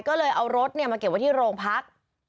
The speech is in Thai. ก็เลยเอารถมาเก็บไว้ที่โรงพัก